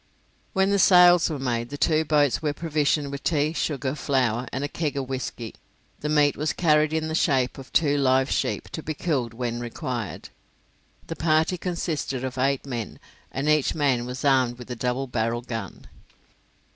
When the sails were made, the two boats were provisioned with tea, sugar, flour, and a keg of whisky; the meat was carried in the shape of two live sheep, to be killed when required. The party consisted of eight men, and each man was armed with a double barrelled gun.